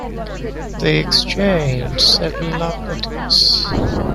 They exchange several love letters.